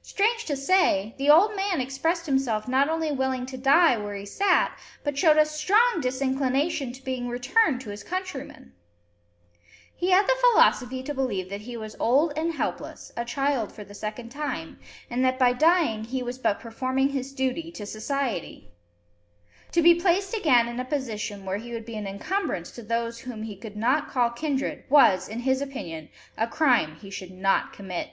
Strange to say, the old man expressed himself not only willing to die where he sat, but showed a strong disinclination to being returned to his countrymen! He had the philosophy to believe that he was old and helpless, a child for the second time, and that by dying he was but performing his duty to society! To be placed again in a position where he would be an incumbrance to those whom he could not call kindred was, in his opinion, a crime he should not commit!